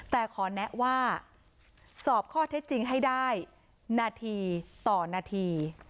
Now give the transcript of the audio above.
แต่ขอแนะว่าสอบข้อเท็จจริงให้ได้นาทีต่อนาที